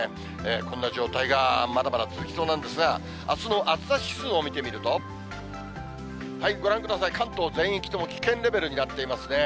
こんな状態がまだまだ続きそうなんですが、あすの暑さ指数を見てみると、ご覧ください、関東全域とも危険レベルになっていますね。